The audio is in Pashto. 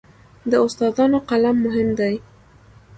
د استادانو قلم مهم دی.